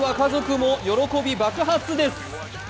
これには家族も喜び爆発です。